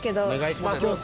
お願いします。